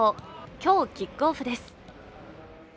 今日キックオフです